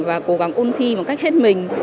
và cố gắng ôn thi bằng cách hết mình